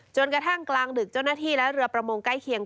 กระทั่งกลางดึกเจ้าหน้าที่และเรือประมงใกล้เคียง